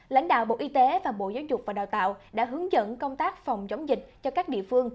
lãnh đạo bộ y tế và bộ giáo dục và đào tạo đã hướng dẫn công tác phòng chống dịch cho các địa phương